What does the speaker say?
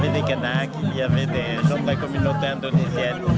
ada kanak ada orang dari komunitas indonesia